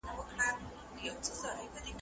د رومان هر فصل یوه نوې موضوع لري.